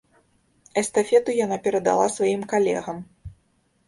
Эстафету яна перадала сваім калегам.